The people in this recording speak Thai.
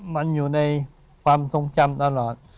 มันอยู่ในความทรงจำตลอด